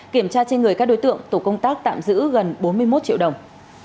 kiểm tra trên người các đối tượng tổ công tác tạm giữ gần bốn mươi một triệu đồng